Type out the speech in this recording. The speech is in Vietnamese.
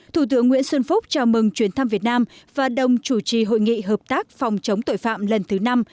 thủ tướng nguyễn xuân phúc chào mừng chuyến thăm việt nam và đồng chủ trì hội nghị hợp tác phòng chống tội phạm lần thứ năm